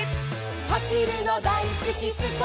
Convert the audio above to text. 「はしるのだいすきスポーツカー」